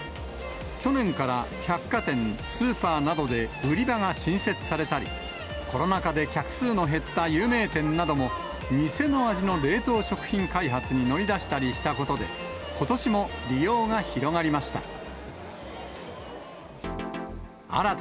去年から百貨店、スーパーなどで売り場が新設されたり、コロナ禍で客数の減った有名店なども、店の味の冷凍食品開発に乗り出したりしたことで、ことしも利用が広がりました。